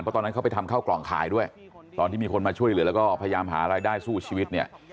เพราะตอนนั้นเขาไปทำข้าวกล่องขายด้วยตอนที่มีคนมาช่วยเหลือแล้วก็พยายามหารายได้สู้ชีวิตเนี่ย